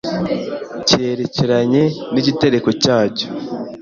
cyerekeranye nigitereko cyacyo.